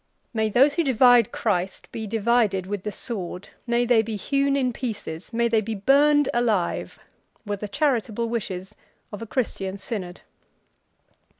"May those who divide Christ be divided with the sword, may they be hewn in pieces, may they be burned alive!" were the charitable wishes of a Christian synod.